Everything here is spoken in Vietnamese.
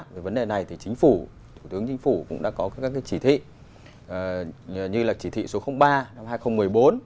về vấn đề này thì chính phủ thủ tướng chính phủ cũng đã có các cái chỉ thị như là chỉ thị số ba năm hai nghìn một mươi bốn